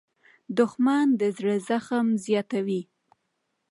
دښمن د زړه زخم زیاتوي